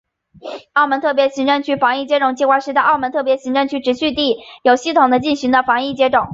澳门特别行政区防疫接种计划是在澳门特别行政区持续地有系统地进行的防疫接种。